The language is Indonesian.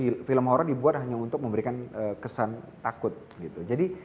di film horror dibuat hanya untuk memberikan kesan takut gitu